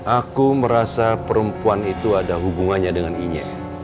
aku merasa perempuan itu ada hubungannya dengan inya